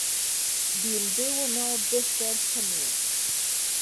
Bu'n byw yno byth ers hynny.